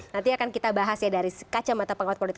nanti akan kita bahas ya dari kacamata pengawas politik